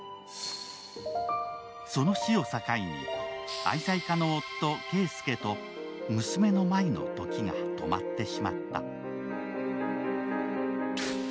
その死を境に、愛妻家・圭介と娘の麻衣の時が止まってしまった。